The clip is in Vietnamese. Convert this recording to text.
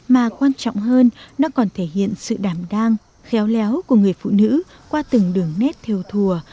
mà quan trọng hơn nó còn thể hiện sự đảm đang khéo léo của người phụ nữ qua từng đường nét theo thùa